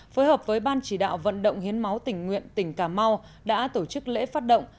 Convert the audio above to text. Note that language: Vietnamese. phối hợp với ban chỉ đạo vận động hiến máu tỉnh nguyện tỉnh cà mau đã tổ chức lễ phát động